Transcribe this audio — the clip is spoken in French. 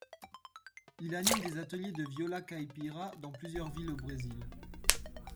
Il anime des ateliers de viola caipira dans plusieurs villes au Brésil.